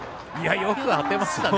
よく当てましたね。